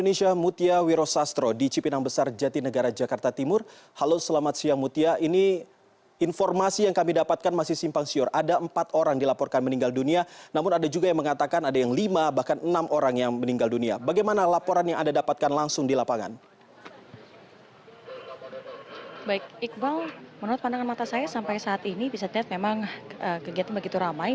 menurut pandangan mata saya sampai saat ini bisa dilihat memang kegiatan begitu ramai